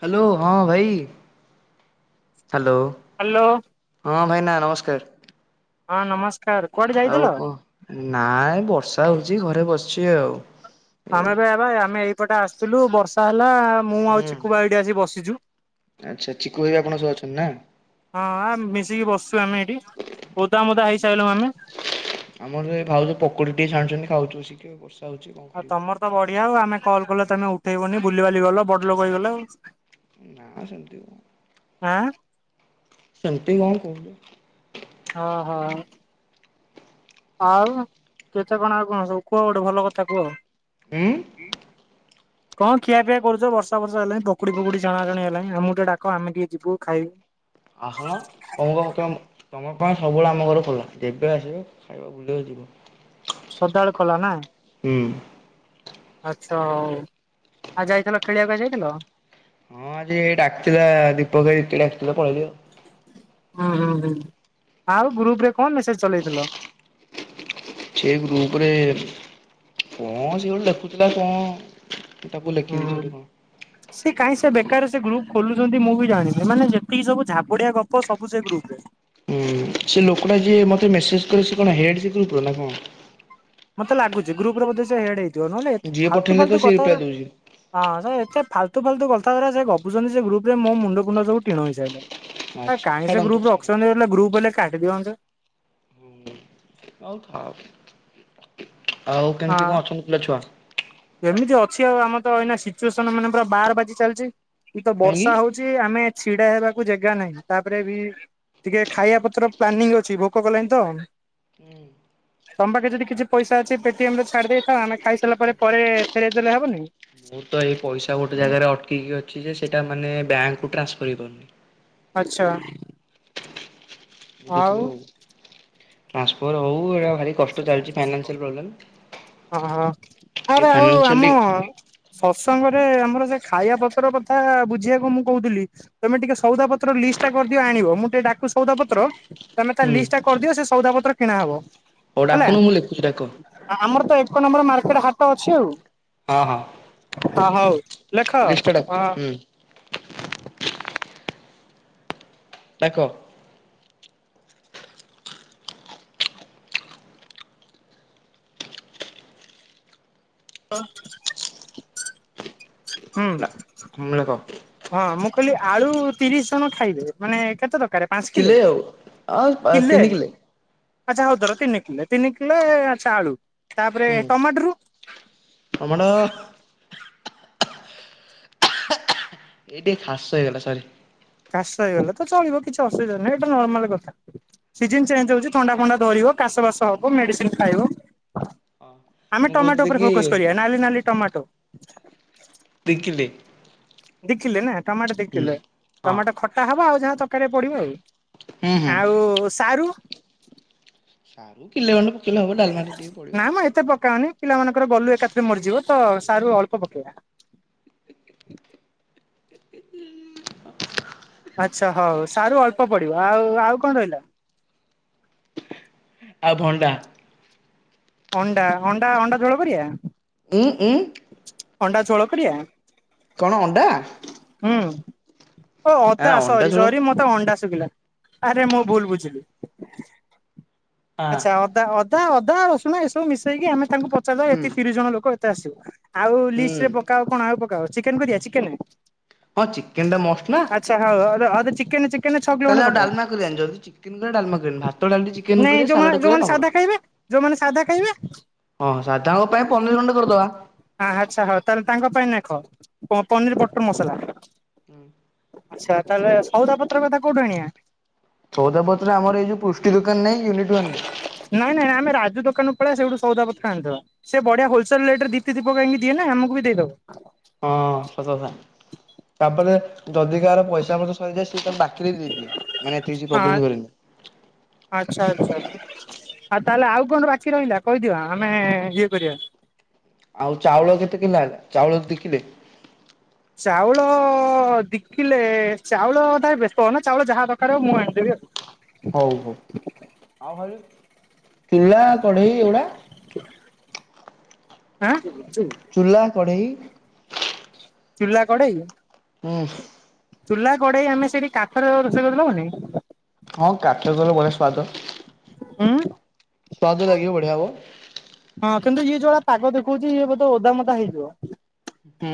Hello! ହଁ, ଭାଇ, hello! Hello ହଁ, ଭାଇନା ନମସ୍କାର। ହଁ, ନମସ୍ କାର କୁଆଡେ ଯାଇଥିଲ? ଆଉ, କଣ? ନା ଏଇ ବର୍ଷା ହୋଉଚି, ଘରେ ବସଚି ଆଉ। ଏଇ ଆମେବା ଏବା ଆମେ ଏଇପଟେ ଆସଥିଲୁ, ବର୍ଷା ହେଲା ମୁଁ ଆଉ ହୁଁ ଚିକୁବା, ଏଇଡ଼ି ଆସିକି ବସିଚୁ। ଆଚ୍ଛା, ଚିକୁ ଭାଇ ଆପଣ ସହ ଅଛନ୍ ନାଁ? ହଁ, ଆ ମିଶିକି ବସଚୁ ଆମେ ଏଇଠି, ଓଦା ମୋଦା ହେଇସାଇଲୁ ଆମେ। ଆମର ସେଇ ଭାଉଜ ପକୁଡ଼ି ଟିକେ ଛାଣିଚନ୍ତି ଖାଉଚୁ, ବସିକି ଆଉ ବର୍ଷା ହଉଚି। ଆଉ ତମର ତ ବଢିଆ ଆଉ। ଆମେ କଲ୍ କଲେ ତମେ ଉଠେଇବନି ଭୁଲିିବାଲି ଗଲ, ବଡ ଲୋକ ହେଇଗଲ ଆଉ। ନା, ସେମତି କଣ, ଆଁ ସେମତି କଣ କୋଉଚ? ହ, ହ। ଆଉ, କେତେ କଣ ଆଉ କଣ ସବୁ କୁଅ? ଗୋଟେ ଭଲ କଥା କୁଅ? ଉଁ। କଣ ଖିଆପିଆ କରୁଚ, ବର୍ଷା ଫର୍ଷା ହେଲାଇଁ, ପକୁଡି ଫକୁଡି ଛଣା ଛୁଣି ହେଲାଇଁ। ଆମକୁ ଟିକେ ଡାକ ଆମେ ଟିକେ ଯିବୁ ଖାଇବୁ। ଆସୁନ ତମୁକୁ ଆମ କେ ତମ ପାଇଁ ସବୁବେଳେ ଆମ ଘର ଖୋଲା ଯେବେ ଆସିବେ ଖା ଏବେ ଭିଡ଼ିଓ ଯିବ। ସଦାଳେ ଖୋଲା ନାଁ? ହୁଁ। ଆଚ୍ଛା ଆଉ ଯାଇଥିଲ ଖେଳିବାକୁ ଆଜି ଯାଇଥିଲ? ହଁ ଆଜି ଏଇ ଡାକଥିଲା ଦୀପକ ହେଇତି ଡାକିଥିଲା ପଳେଇଲି ଆଉ। ହୁଁ ହୁଁ ହୁଁ ଆଉ ଗ୍ରୁପ୍ ରେ କଁ ମେସେଜ୍ ଚଲେଇଥିଲ? ସେଇ ଗ୍ରୁପ୍ ରେ କଁ ସିଏ ଗୋଟେ ଲେଖୁଥିଲା କଁ ହୁଁ। ହ ସିଏ କାଇଁ ସେ ବେକାର ସେ ଗ୍ରୁପ୍ ଖୋଲୁଚନ୍ତି ମୁଁ ବି ଜାଣି ମାନେ ଯେତିକି ସବୁ ଝାବୁଡି଼ଆ ଗପ ସବୁ ସେ ଗ୍ରୁପ୍ ରେ। ଉଁ ସେ ଲୋକଟା ଯିଏ ମତେ ମେସେଜ୍ କରେ ସେ କଣ ହେଡ଼୍ ସେ ଗ୍ରୁପ୍ ର ନାଁ କଁ? ମତେ ଲାଗୁଚି ଗ୍ରୁପ୍ ରେ ବୋଧ ସେ ହେଡ୍ ହେଇଥିବ ନହେଲେ ଏ ଯିଏ ଫାଲତୁ ପଠେଇଲେ ତ ଫାଲତୁ ସିଏ ରିପ୍ଲାଏ କଥାଉରା ଦଉଛି ହଁ ସେ ଏତେ ଫାଲତୁ ଫାଲତୁ କଥାଉରା ସେ ଗପୁଚନ୍ତି ସେ ଗ୍ରୁପ୍ ରେ ମୋ ମୁଣ୍ଡ ଫୁଣ୍ଡ ସବୁ ଟିଣ ହେଇସାଇଲା ଆ ଆଚ୍ଛା କାଇଁ ସେ ଛାଡ଼ନ୍ତୁ ଗ୍ରୁପ୍ ଛାଡ଼ନ୍ତୁ। ଅଛନ୍ତି ହେଲେ ଗ୍ରୁପ୍ ହେଲେ କାଟି ଦିଅନ୍ତେ। ହୁଁ ଆଉ ଥାଉ ଆଉ କେମତି କଁ ହଁ ଅଛନ୍ତି ପିଲା ଛୁଆ? ଏମିତି ଅଛି ଆଉ ଆମର ତ ଏଇନା ସିଚୁଏସନ୍ ମାନେ ପୁରା ବାର ବାଜି ଚାଲଚି ଏ ତ କାହିଁକି? ବର୍ଷା ହଉ ଚି ଆମେ ଛିଡ଼ା ହେବାକୁ ଜେଗା ନାହିଁ ତାପରେ ବି ଟିକେ ଖାଇବା ପତ୍ର ପ୍ଲାନିଂ ଅଛି ଭୋକ କଲାଇଁ ତ। ହୁଁ। ତମ ପାଖେ ଯଦି କିଛି ପଇସା ଅଛି ପେଟିଏମ୍ ରେ ଛାଡ଼ି ଦେଇଥାଅ ଆମେ ଖାଇସାଇଲା ପରେ ଫେରେଇ ଦେଲେ ହବନି? ମୁଁ ତ ଏଇ ପଇସା ଗୋଟେ ଜାଗାରେ ଅଟକିକି ଅଛି ଯେ ସେଟା ମାନେ ବ୍ୟାଙ୍କ୍ କୁ ଟ୍ରାନ୍ସଫର୍ ହେଇପାରୁନି। ଆଚ୍ଛା। ଆଉ ବୁଝୁଥୁବ ଉ ଟାନ୍ସଫର୍ ହଉ ଏରା ଭାରି କଷ୍ଟ ଚାଲିଛି ଫାଇନାନ୍ସିଆଲ ପ୍ରୋବ୍ଲେମ୍ ଅଁ ହଁ ଟିକେ ଆଉରେ ଆଉ ଫାଇନାନ୍ସିଆଲି ଆମ ସତ୍ସଙ୍ଗରେ ଆମର ସେ ଖାଇବା ପତର କଥା ବୁଝିଆକୁ ମୁଁ କହୁଥିଲି। ତମେ ଟିକେ ସଉଦା ପତ୍ର ଲିଷ୍ଟ୍ ଟା କରିଦିଅ ଆଣିବ ମୁଁ ଟିଏ ଡାକୁ ସଦା ପତ୍ର। ତମେ ତା ହୁଁ ଲିଷ୍ଟ୍ ଟା କରିଦିଅ ସେ ସଉଦା ପତ୍ର କିଣା ହବ। ହଉ ହେଲା ଡାକୁନ ମୁଁ ଲେଖୁଚି ଡାକ। ଆମର ତ ଏକ ନମ୍ବର୍ ମାର୍କେଟ୍ ହାଟ ଅଛି ଆଉ। ଅ ହଁ। ହଁ ହଉ ଲେଖ ଲିଷ୍ଟଟା ଡାକ ହ ହୁଁ ଡାକ। ହୁଁ। ହୁମ୍ ଲେକ। ହଁ ମୁଁ କହିଲି ଆଳୁ ତିରିଶ ଜଣ ଖାଇବେ ମାନେ କେତେ ଦରକାରେ? ପାଞ୍ଚ କିଲେ ଆଉ କିଲେ? ତିନି କିଲେ। ଆଚ୍ଛା ହଉ ଧର ତିନି କିଲେ ତିନି କିଲେ ଆଚ୍ଛା ଆଳୁ ତାପରେ ଟମାଟୋରୁ? ଟମାଟ ଏଇଟି ହାର୍ସ ହେଇଗଲା ସରି। କାଶ ହେଇଗଲା ତ ଚଳିବ କିଛି ଅସୁବିଧା ନାହିଁ ଏଟା ନର୍ମାଲ କଥା। ସିଜନ୍ ଚେଞ୍ଚ୍ ହଉଚି ଥଣ୍ଡା ଫଣ୍ଡା ଧରିବ କାଶ ବାସ ହବ ମେଡ଼ିସିନ୍ ଖାଇବ। ହଁ ଆମେ ମୁଁ ଟମାଟୋ କହୁଥିଲି ଉପରେ କି ଫୋକସ୍ କରିବା ନାଲି ନାଲି ଟମାଟୋ। ଦି କିଲେ। ଦି ଖିଲେ ନାଁ ଟମାଟ ଦି ହୁଁ। କିଲେ। ହଁ ଟମାଟ ଖଟା ହବ ଆଉ ଯାହା ଚରକାରୀରେ ପଡ଼ିବ ଆଉ। ହୁଁ ହୁଁ ଆଉ ସାରୁ? ଆରୁ କିଲେ ଖଣ୍ଡେ ପକେଇଲେ ହବ ଡାଲମାରେ। ଟିକେ ପଡିବ। ନାଁ ମ ଏତେ ପକାଅନି ପିଲାମାନଙ୍କର ଗଲୁ ଏକାଥରେ ମରିଯିବ ତ ସାରୁ ଅଳ୍ପ ପକେଇବା। ଆଚ୍ଛା ହଉ ସାରୁ ଅଳ୍ପ ପଡ଼ିବ। ଆଉ ଆଉ କଣ ରହିଲା? ଆଉ ଭଣ୍ଡା। ଅଣ୍ଡା ଅଣ୍ଡା ଅଣ୍ଡା ଝୋଳ କରିଆ? ଉଁ ଉଁ। ଅଣ୍ଡା ଛୋଳ କରିଆ? କଣ ଅଣ୍ଡା? ହୁଁ ଓ ନା ଅଦା ଅଣ୍ଡା ସରି ଝୋଳ। ସରି ମତେ ଅଣ୍ଡା ଶୁଭିଲା ଆରେ ମୁଁ ଭୁଲ ବୁଝିଲି। ହଁ ଆଚ୍ଛା ଅଦା ଅଦା ଅଦା ରସୁଣ ଏସବୁ ମିଶେଇକି ଆମେ ତାଙ୍କୁ ପଚାରିଦବା ହୁଁ ଏତିକି ତିରିଶ ଜଣ ଲୋକଏ ତ ଆସିବ ଆଉ ହୁଁ ଲିସ୍ଟେ ରେ ପକାଅ କଣ ଆଉ ପକାଅ ଚିକେନ କରିିଆ ଚିକେନ? ହଁ ଚିକେନ ଟା ମଷ୍ଟ ନା। ଆଛା ହଉ ହଉ ରହ ଚିକେନ ଚିକ କେନ ଛ କିଲୋ ତାହେଲେ ଖଣ୍ଡେ ଆଉ ପକାଅ ଡାଲମା କରିବାନି ଯଦି ଚିକେନ କରିବା ଡାଲମା କରିବାନି ଭାତ ଡାଲି ଚିକେନ ନାଇଁ କରିବା ସାଲାଡ ଯୋଉମାନେ କରିବା ଯୋଉମାନେ ପାମ୍ପଡ। ସାଧା ଖାଇବେ? ଯୋଉମାନେ ସାଧା ଖାଇବେେ, ହଁ ସାଧାରଣଙ୍କ ପାଇଁ ପନ୍ନିର ଖଣ୍ଡେ କରିଦବା। ହା ଆଚ୍ଛା ହଉ ତାହେଲେ ତାଙ୍କ ପାଇଁ ନେଖ ହୁଁ ପନିର ବଟର ମସଲା। ହୁଁ ଆଚ୍ଛା ତାହେଲେ ସଉଦା ପତ୍ର କଥା କୋଉଠୁ ଆଣିଆ? ସଉଦା ପତ୍ର ଆମର ଏ ଯୋଉ ପୃଷ୍ଟି ଦୋକାନ ନାଇ କି ୟୁନିଟ୍ ୱାନରେ ନାଇଁ ନାଇଁ ଆମେ ରାଜୁ ଦୋକାନକୁ ପଳେଆ ସେଇଠୁ ସଉଦାପତ୍ର ଆଣି ଦେବା। ସେ ବଢିଆ ହୋଲେ ସେଲ୍ ଟେ ରେ ଦି ତିନି ଦୀପ କାହିଁକି ଦିଏ ନା ଆମକୁ ବି ଦେଇଦବ। ହଁ ସତକଥା ତାପରେ ଯଦି କାହାର ପଇସା ପତ୍ର ସରିଯାଏ ସେ ତାକୁ ବାକିରେ ଦେଇଦିଏ ମାନେ ଏତେ କିଛି ହଁ ପ୍ରୋବ୍ଲେମ୍ କରେନି। ଆଚ୍ଛା ଆଚ୍ଛା। ଆଉ ତାହେଲେ ଆଉ କଣ ବାକି ରହିଲା କହିଦିଅ ଆମେ-ଏ-ଏ ଇଏ କରିବା। ଆଉ ଚାଉଳ କେତେ କିିଲ ଆଣିଆ, ଚାଉଳ ଦି କିଲେ। ଚାଉଳ-ଅ-ଅ-ଅ ଦି କିଲେ-ଏ-ଏ ଚାଉଳ କଥା ବ୍ୟସ୍ତ ହ ନା ଚାଉଳ ଯାହା ଦରକାର ହବ ମୁଁ ଆଣିଦେବି ହେଲା। ହଉ ହଉ। ଚିଲା ଚଢେଇ ଏଗୁଡା? ଆଁ ଚୁଲା, କଢ଼େଇ? ଚୁଲା କଡ଼େଇ? ହୁଁ। ଚୁଲା କଡେଇ ଆମେ ସେଇଠି କାଠର ରୋଷେଇ କରିଦେଲେ ହେବନି? ହଁ କାଠରେ କଲେ ବଢିଆ ସ୍ଵାଦ। ହୁଁ। ସୁଆଦ ଲାଗିିବ ବଢିଆ ହବ। ହଁ କିନ୍ତୁ ଇଏ ଯୋଉ ଭଳିଆ ପାଗ ଦେଖଉଛି ଇଏ ବୋଧେ ଓଦା ମୋଦା ହେଇଯିବ। ହୁଁ।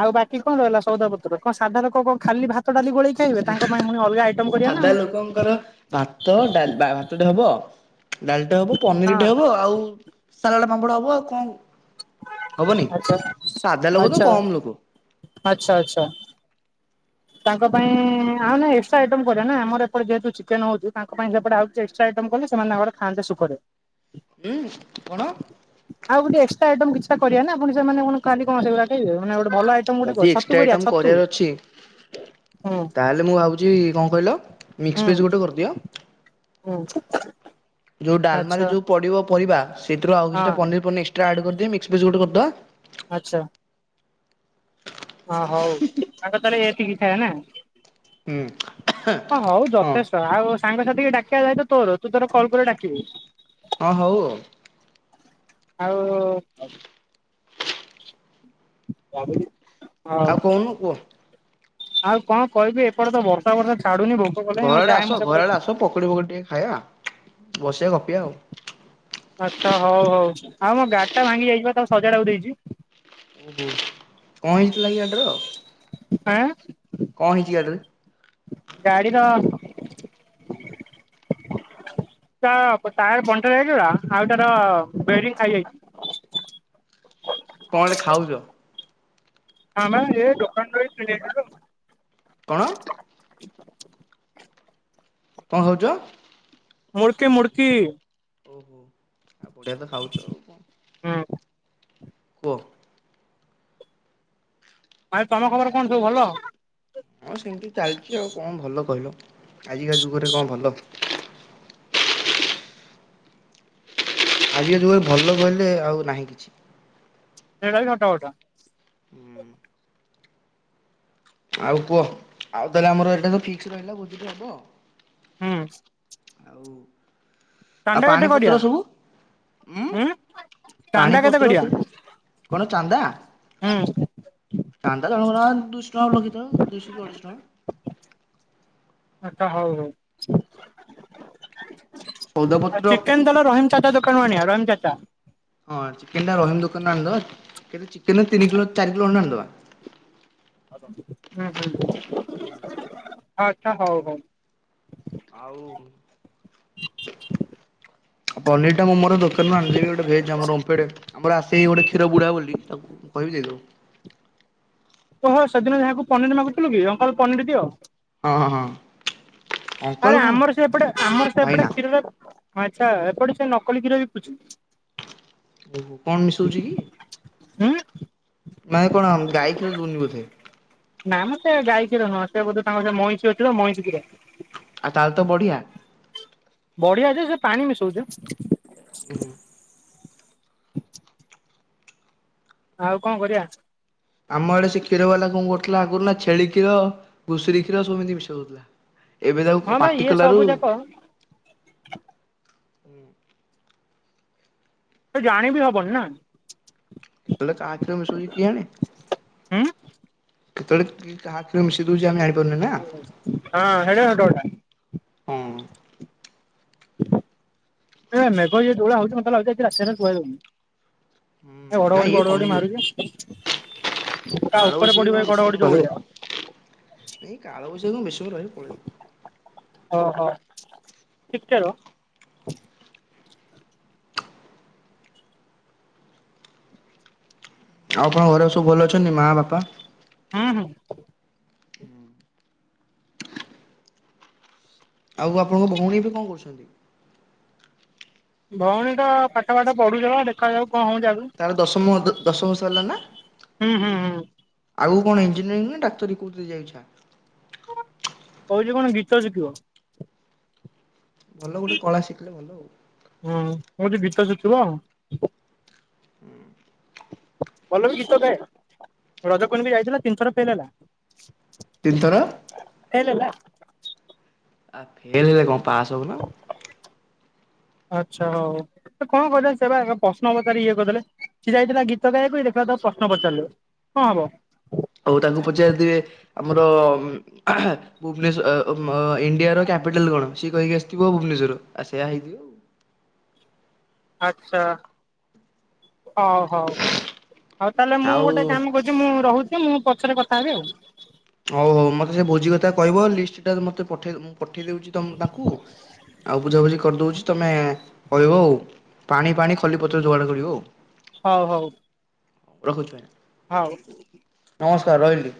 ଆଉ ବାକି କଣ ରହିଲା ସଉଦା ପତ୍ର କଣ ସାଧା ଲୋକ କଣ ଖାଲି ଭାତ, ଡାଲି ଗୋଳେଇ ଖାଇବେ ତାଙ୍କ ପାଇଁ ପୁଣି ଅଲଗା ଆଇଟମ କରିବା ନା ସାଧା ଆଉ। ଲୋକଙ୍କର ଭାତ ଡା ଭାତଟେ ହବ। ଡାଲିଟେ ହବ ପନିରଟେ ହଁ ହବ ଆଉ ସାଲାଡ ପାମ୍ପଡ ହବ ଆଉ କଣ? ହବନି ଆଚ୍ଛା ସାଧା ଲୋକ ତ ଆଚ୍ଛା କମ ଲୋକ। ଆଚ୍ଛା ଆଚ୍ଛା। ତାଙ୍କ ପାଇଁ-ଇ-ଇ-ଇ ଆଉ ନା ଏକ୍ସଟ୍ରା ଆଇଟମ କରିବାନା ଆମର ଏପଟେ ଯେହେତୁ ଚିକେନ ହଉଛି ତାଙ୍କ ପାଇଁ ସେପଟେ ଆଉ ଯେ ଏକ୍ସଟ୍ରା ଆଇଟମ୍ କଲେ ସେମାନେ ତାଙ୍କର ଖାନ୍ତେ ସୁଖରେ। ଉଁ କଣ? ଆଉ ଗୋଟେ ଏକ୍ସଟ୍ରା ଆଇଟମ୍ କିଛିଟା କରିବା ନା ସେମାନେ ପୁଣି ଖାଲି କଣ ସେଗୁଡା ଖାଇବେ ମାନେ ଗୋଟ ଭଲ ଆଇଟମ ଗୋଟେ ଯଦି କୁହ ଏକ୍ସଟ୍ରା ଛତୁ କରିବା ଆଇଟମ ଛତୁ? କରିବାର ଅଛି ହୁଁ ତାହେଲେ ମୁଁ ଭାବୁଛି କଣ କହିଲ ହୁଁ ମିକ୍ସ ଭେଜ୍ ଗୋଟେ କରିଦିଅ। ହୁଁ। ଯୋଉଁ ଡାଲମାରେ ଆଚ୍ଛା ଯେଉଁ ପଡିବ ପରିବା ସେଥିରୁ ଆଉ ହଁ କିଛିଟା ପନିର ପନିର ର୍ଏକ୍ସଟ୍ରା ଆଡ଼ କରିଦିଅ ମିକ୍ସ ଭେଜ ଗୋଟେ କରିଦବା। ଆଛା। ହଁ ହଉ ତାଙ୍କର ତାହେଲେ ଏତିିକି ଖାଇବା ନା ହୁଁ ହ ହଉ ଯ ହଁ ତେସ ଆଉ ସାଙ୍ଗ ସାଥିକି ଡାକିବା ଦାୟିତ୍ୱ ତୋର ତୁ ତୋର କଲ୍ କରି ଡାକିବୁ। ଅ ହଉ ଆଉ। ଆଉ ଆଉ କହୁନୁ କୁହ। ଆଉ କଣ କହିବି ଏପଟେ ତ ବର୍ଷା ବର୍ଷା ଛାଡୁ଼ନି ଭୋ ଘର ଆଡ଼େ ଆସ ଘର ଆଡ଼େ ଆସ ପକୁଡ଼ି ପକୁଡି଼ ଟିକେ ଖାଇବା ବସିବା ଗପିବା ଆଉ। ଆଚ୍ଛା ହଉ ହଉ ଆଉ ମୋ ଗାଡ଼ିଟା ଭାଙ୍ଗି ଯାଇଚି ପା ତାକୁ ସଜାଡ଼ାକୁ ଦେଇଚି। ଓ ହୋଉ କଁ ହେଇଥିଲା କି ଗାଡ଼ିର? ଆଁ? କଁ ହେଇଚି ଗାଡ଼ିରେ? ଗାଡ଼ିର ତା ପ ଟାୟାର୍ ପଞ୍ଚର୍ ହେଇଥିଲା ଆଉ ତାର ବେରିଂ ଖାଇଯାଇଚି। କଁଟେ ଖାଉଚ? ଆମେ ଏ ଦୋକାନ ଦେଇକି ସିଲେଇ କରିଦେଉଚି। କଣ? କଁ ଖାଉଚ? ମୁଡ଼କି ମୁଡ଼କି। ଓହୋ ଆଉ ବଢ଼ିଆ ତ ଖାଉଚ ଆଉ କଁ? ହୁଁ। କୁହ। ଭାଇ ତମ ଖବର କଣ ସବୁ ଭଲ? ହଁ ସେମିତି ଚାଲିଚି ଆଉ କଁ ଭଲ କହିଲ ଆଜିକା ଯୁଗରେ କଁ ଭଲ? ଆଜିକା ଯୁଗରେ ଭଲ କହିଲେ ଆଉ ନାହିଁ କିଛି। ସେଇଟା ବି ସତ କଥା। ଉଁ। ଆଉ କୁଅ ଆଉ ତାହେଲେ ଆମର ଏଟା ତ ଫିକ୍ସ ରହିଲା ଭୋଜିଟେ ହବ। ହୁଁ। ଆଉ ଆଉ ଚାନ୍ଦା କେତେ ପାଣି କରିବା ପତ୍ର ସବୁ? ଉଁ? ହୁଁ ପାଣି ଚାନ୍ଦା କେତେ ପତ୍ର କରିବା ସବୁ କଣ ଚାନ୍ଦା? ହୁଁ ଚାନ୍ଦା ଜଣକ ଜଣା ଦୁଇଶ ଟଙ୍କା ଗୋଟେ ଲଗେଇଦବା ଦୁଇଶ କି ଅଢ଼େଇଶ ଟଙ୍କା। ଆଚ୍ଛା ହଉ ହଉ ଆ ଚିକେନ୍ ଆଉ ସଉଦାପତ୍ର ଚିକେନ ତାଲେ ରହିମ୍ ଚାଚା ଦୋ କାନରୁ ଆଣିବା ରହିମ୍ ଚାଚା। ହଁ ଚିକେନ୍ ଟା ରହିମ୍ ଦୋକାନରୁ ଆଣିଦବା କେତେ ଚିକେନ୍ ରେ ତିନି କିଲ ଚାରି କିଲ ଅଣ୍ଡେ ଆଣିଦବା। ଉଁ ହୁଁ ଆଚ୍ଛା ହଉ ହଉ। ଆଉ ପନିର୍ ଟା ମୁଁ ମୋର ଦୋକାନରୁ ଆଣିଦେବି ଗୋଟେ ଭେଜ୍ ଆମର ଓମଫେଡ଼୍ ଆମର ଆସେ ଗୋଟେ କ୍ଷୀର ବୁଢ଼ା ବୋଲି ତାକୁ କହିବି ଦେଇଦବ। ଓହୋ ସେଦିନ ଯାହାକୁ ପନିର ମାଗୁଥୁଲୁ କି ଅଙ୍କଲ୍ ପନିର୍ ଦିଅ? ହଁ, ହଁ। ଅଙ୍କଲ ଆରେ କଣ ଆମର ସେ ଏପଟେ ଆମର ସେ ଭାଇନା ଏପଟେ କ୍ଷୀରରେ ଆଚ୍ଛା ଏପଟେ ସେ ନକଲି କ୍ଷୀର ବିକୁୁଚି। ଓହୋ! କଣ ମିଶଉଚି କି? ଉଁ? ମାନେ କଣ ଗାଈ କ୍ଷୀର ଦୋଉନି ବୋଧେ? ନାଁ ମ ସେ ଗାଈ କ୍ଷୀର ନୁହଁ ସେ ବୋଧେ ତାଙ୍କର ସେ ମଇଁଷି ଅଛିି ତ ମଇଁଷି କ୍ଷୀର। ଆଉ ତାହେଲେ ତ ବଢ଼ିଆ। ବଢ଼ିଆ ଯେ ସେ ପାଣି ମିଶଉଚି। ଓହୋ। ଆଉ କଁ କରିଆ? ଆମ ଆଡ଼େ ସେ କ୍ଷୀର ବାଲା କଁ କରୁଥୁଲା ଆଗରୁ ନାଁ ଛେଳି କ୍ଷୀର, ଘୁଷୁରୀ କ୍ଷୀର ସବୁ ଏମିତି ମିଶୋଉ ଦୋଉଥୁଲା। ଏବେ ହଁ ତାକୁ ବା ପାଟି ଇଏ କଲାରୁ ସବୁ ଯାକ ସେ ଜାଣିବିି ହବନି ନାଁ? ତଲେ କାହା କ୍ଷୀର ମିଶଉଚି କିଆଣେ? ଉଁ? କେତୋଳେ କି କାହା କ୍ଷୀର ମିଶେଇ ଦୋଉଚି ଆମେ ଆଣି ହଁ ସେଇଟା ସତ କଥା। ହଁ ଏ ମେଘ ଇଏ ଯୋଉ ଭଳିଆ ହଉଚି ମୋତେ ଲାଗୁଚି ଆଜି ରାତି ସାରା କୁଆ ଜଗି ହୁଁ ଏ ନା ଘଡ଼ଘଡ଼ି ଇଏ ଫଡ଼ଘଡି଼ କମିଯିବ ମାରୁଚି କାହା ଓପରେ କାଳବୈଶାଖୀ କଣ ପଡ଼ିବ ଏ ବେଶୀ ସମୟ ଘଡ଼ଘଡ଼ି ଯୋଉ ରହିବ। ଭଳିଆ। ଏଇ କାଳବୈଶାଖୀ କଁ ବେଶୀ ସମୟ ରହିବ, ପଳେଇବ। ଅହ ଟିକେ ରୁହ। ଆଉ ଆପଣ ଘରେ ସବୁ ଭଲ ଅଛନ୍ତି ମା, ବାପା? ହୁଁ, ହୁଁ। ଆଉ ଆପଣଙ୍କ ଭଉଣୀ ଏବେ କଁ କରୁଛନ୍ତି? ଭଉଣୀ ତ ପାଠ ଫାଠ ପଢ଼ୁଚଆ ଦେଖାଯାଉ କଣ ହଉଚି ଆଗୁ? ତାର ଦଶମ ଦ ଦଶ ବର୍ଷ ହେଲା ନାଁ? ହୁଁ ହୁଁ ହୁଁ ଆଗୁକୁ କଣ ଇଞ୍ଜିନିୟରିଂ ନାଁ ଡାକ୍ତରୀ କୋଉଥିରେ ଯା ଇଚ୍ଛା? କହୁଚି କଣ ଗୀତ ଶିକିବ। ଭଲ ଗୋଟେ କଳା ଶିକିଲେ ଭଲ ଆଉ। ହଁ, କହୁଚି ଗୀତ ଶିକିବ। ଉଁ ଭଲ ବି ଗୀତ ଗାଏ ରଜ କୁଇନ୍ ବି ଯାଇଥିଲା ତିନି ଥର ଫେଲ୍ ହେଲା। ତିନିଥର ଫେଲ୍ ହେଲା? ଆ ଫେଲ୍ ହେଲେ କଁ ପାସ୍ ହଉନ? ଆଚ୍ଛା ହଉ। ସେ କଣ କରିବା ସେ ବା ଏଗା ପଶ୍ନ ପଚାରିକି ଇଏ କରିଦେଲେ ସିଏ ଯାଇଥିଲା ଗୀତ ଗାଇବାକୁ ଇଏ ଦେଖିଲା ଉ ତାକୁ ପଶ୍ନ ପଚାରିଲେ। କଁ ହବ? ଓହୋ ତାକୁ ପଚାରିଥିବେ ଆମର ଭୁବନେଶ ଅ ମ ଇଣ୍ଡିଆର୍ କ୍ୟାପିଟାଲ୍ କଣ ସିଏ କହିକି ଆସିଥିବ ଭୁବନେଶ୍ୱର ଆ ସେୟା ହେଇଥିବ। ଆଚ୍ଛା ଅଉ ହଉ ହଉ ତାହେଲେ ମୁଁ ଆଉ ଗୋଟେ କାମ କ ଚେ ମୁଁ ରହୁଚି ମୁଁ ପଛରେ କଥା ହେବି ଆଉ। ହଉ ହଉ ମତେ ସେ ଭୋଜି କଥା କହିବୁ ଲିଷ୍ଟ୍ ଟା ମତେ ପଠେଇ ମୁଁ ପଠେଇ ଦେଉଚି ତମ୍ ତାଙ୍କୁ ଆଉ ବୁଝାବୁଝି କରଦଉଚି। ତମେ କହିବ ଆଉ ପାଣି ଫାଣି ଖଲିପତ୍ର ଯୋଗାଡ଼ କରିବ ଆଉ। ହଉ ହଉ। ରଖୁଚି ତାଇଁ। ହଁଉ। ନମସ୍କାର ରହିଲି।